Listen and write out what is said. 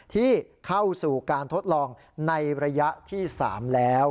ที่เข้าสู่การทดลองในระยะที่๓แล้ว